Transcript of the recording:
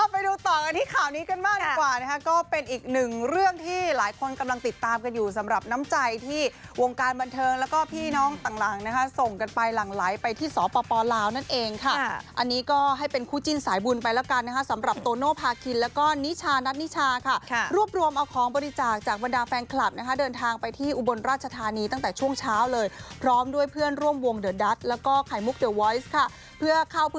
ไปดูต่อกันที่ข่าวนี้กันมากกว่าก็เป็นอีกหนึ่งเรื่องที่หลายคนกำลังติดตามกันอยู่สำหรับน้ำใจที่วงการบันเทิงแล้วก็พี่น้องต่างหลังส่งกันไปหลังไลค์ไปที่สปลาวนั่นเองค่ะอันนี้ก็ให้เป็นคู่จิ้นสายบุญไปแล้วกันสำหรับโตโน่พาคินแล้วก็นิชานัดนิชาค่ะค่ะรวบรวมเอ